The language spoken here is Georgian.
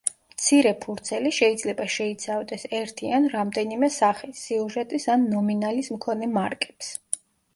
მცირე ფურცელი შეიძლება შეიცავდეს ერთი ან რამდენიმე სახის, სიუჟეტის ან ნომინალის მქონე მარკებს.